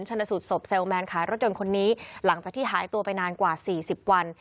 ชนสูตรศพเลลแมนขายรถยนต์คนนี้หลังจากที่หายตัวไปนานกว่าสี่สิบวัน